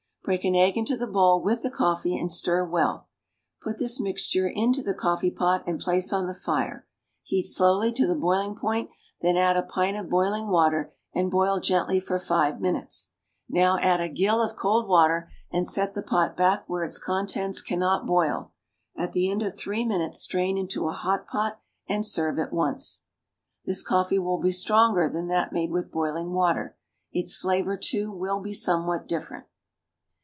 Break an egg into the bowl with the coffee, and stir well. Put this mixture into the coffee pot and place on the fire. Heat slowly to the boiling point, then add a pint of boiling water, and boil gently for five minutes. Now add a gill of cold water, and set the pot back where its contents cannot boil. At the end of three minutes strain into a hot pot and serve at once. This coffee will be stronger than that made with boiling water; its flavor, too, will be somewhat different.